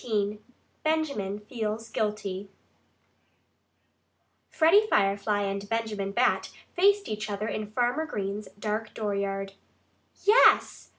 XIX BENJAMIN FEELS GUILTY Freddie Firefly and Benjamin Bat faced each other in Farmer Green's dark dooryard. "Yes!"